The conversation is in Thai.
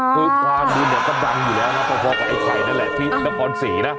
สานี่เนี่ยก็ดังอยู่แล้วนะพอกับไอ้ไข่นั่นแหละที่น้ำคอนสีนะ